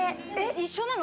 一緒なの？